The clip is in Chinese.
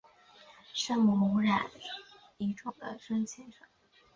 圣母无染原罪主教座堂是位于摩纳哥摩纳哥城的一座天主教主教座堂。